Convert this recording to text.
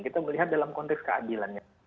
kita melihat dalam konteks keadilannya